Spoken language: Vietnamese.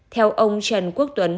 theo ông trần quốc tuấn